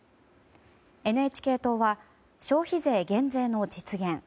ＮＨＫ党は消費税減税の実現。